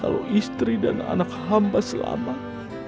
kalau istri dan anak hamba selamat